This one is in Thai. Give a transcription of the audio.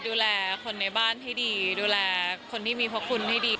ดูแลคนในบ้านให้ดีดูแลคนที่มีพระคุณให้ดี